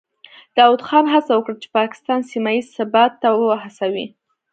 داود خان هڅه وکړه چې پاکستان سیمه ییز ثبات ته وهڅوي.